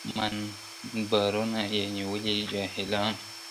منبرونه یې نیولي جاهلانو `